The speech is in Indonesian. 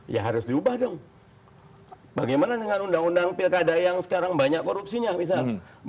ya harus diubah dong bagaimana dengan undang undang pilkada yang sekarang banyak korupsinya misal